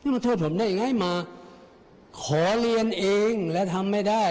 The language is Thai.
มาโทษผมได้ยังไงมาขอเรียนเองและทำไม่ได้